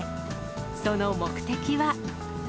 その目的は。